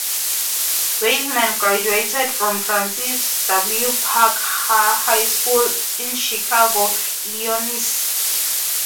Weisman graduated from Francis W. Parker High School, in Chicago, Illinois.